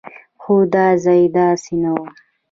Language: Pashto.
خو دا ځای داسې نه و.